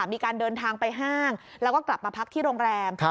มีการเดินทางไปห้างแล้วก็กลับมาพักที่โรงแรม